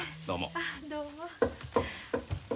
どうも。